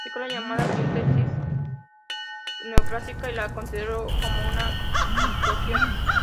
Criticó la llamada síntesis neoclásica y la consideró como una distorsión.